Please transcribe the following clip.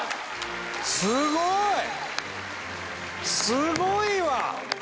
すごいわ！